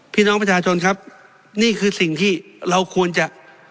พี่น้องประชาชนครับนี่คือสิ่งที่เราควรจะ